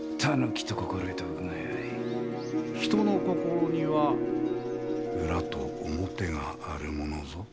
人の心には裏と表があるものぞ。